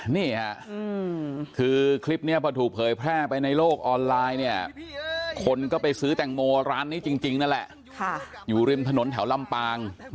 นี่ค่ะคือคลิปนี้พอถูกเผยแพร่ไปในโลกออนไลน์เนี่ยคนก็ไปซื้อแตงโมร้านนี้จริงนั่นแหละอยู่ริมถนนแถวลำปาง